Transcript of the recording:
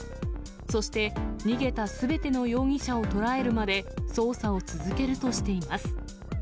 そして、逃げたすべての容疑者をとらえるまで捜査を続けるとしています。